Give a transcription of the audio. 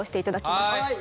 はい。